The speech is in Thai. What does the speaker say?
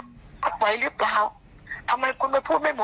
ที่บอกว่าลักษณะหนาตามหลังว่าทิ้งไงถูกไหม